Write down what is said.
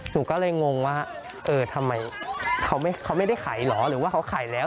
หนูก็เลยงงว่าเออทำไมเขาไม่ได้ขายเหรอหรือว่าเขาขายแล้ว